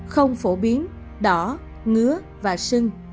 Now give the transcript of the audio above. không phổ biến đỏ ngứa và sưng